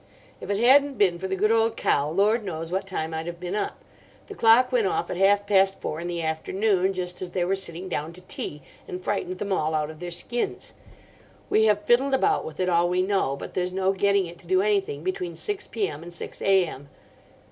If it hadn't been for the good old cow, Lord knows what time I'd have been up. The clock went off at half past four in the afternoon, just as they were sitting down to tea, and frightened them all out of their skins. We have fiddled about with it all we know, but there's no getting it to do anything between six p.m. and six am.